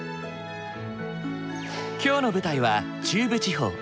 今日の舞台は中部地方。